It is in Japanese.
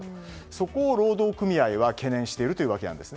そこを労働組合は懸念しているというわけです。